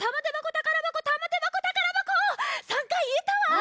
３かいいえたわ！